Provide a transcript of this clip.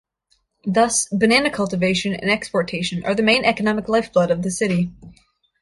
Thus, banana cultivation and exportation are the main economic lifeblood of the city.